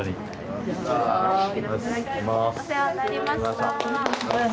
お世話になりました。